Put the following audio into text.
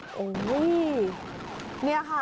โอ้โหนี่ค่ะ